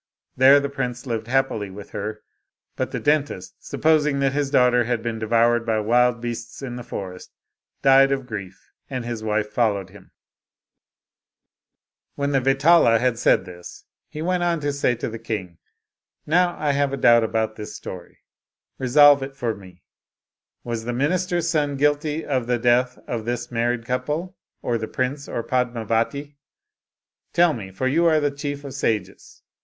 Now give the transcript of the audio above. There the prince lived happily with her. But the dentist, supposing that his daughter had been devoured by wild beasts in the forests, died of grief, and his wife followed hini. 123 Oriental Mystery Stories When the Vetala had said this, he went on to say to the king, " Now I have a doubt about this story, resolve it for me ; was the minister's son guilty of the death of this mar ried couple, or the prince, or Padmavati ? Tell me, for you are the chief of sages.